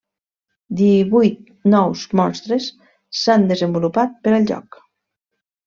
Divuit nous monstres s'han desenvolupat per al joc.